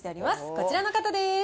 こちらの方です。